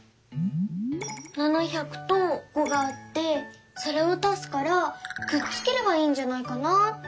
「７００」と「５」があってそれを足すからくっつければいいんじゃないかなって。